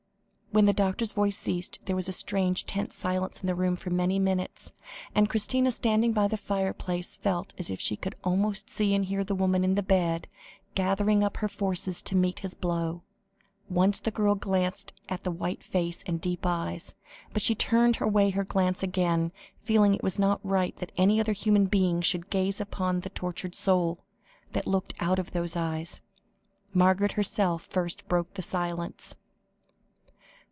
When the doctor's voice ceased, there was a strange, tense silence in the room for many minutes; and Christina, standing by the fireplace, felt as if she could almost see and hear the woman in the bed, gathering up her forces to meet this blow. Once the girl glanced at the white face and deep eyes, but she turned away her glance again, feeling it was not right that any other human being should gaze upon the tortured soul, that looked out of those eyes. Margaret herself first broke the silence.